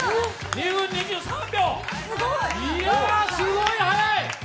２分２３秒、いや、すごい速い。